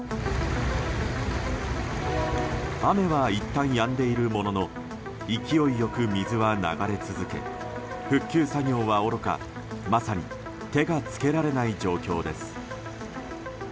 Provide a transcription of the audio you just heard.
雨はいったん、やんでいるものの勢いよく水は流れ続け復旧作業はおろか、まさに手が付けられない状況です。